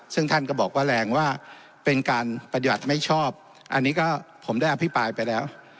ซึ่งท่านก็บอกว่าแรงว่าเป็นการปฏิบัติไม่ชอบอันนี้ก็ผมได้อภิปรายไปแล้ว